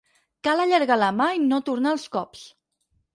Cal allargar la mà i no tornar els cops.